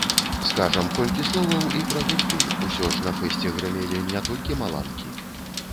Скажам колькі словаў і пра гурты, усё ж на фэсце грымелі не толькі маланкі.